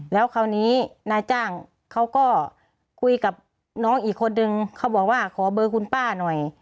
แล้วคราวนี้นายจ้างเขาก็คุยกับน้องอีกคนนึงเขาบอกว่าขอเบอร์คุณป้าหน่อย